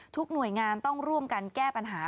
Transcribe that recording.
หน่วยงานต้องร่วมกันแก้ปัญหา